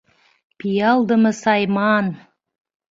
Пиалдыме Сайман!..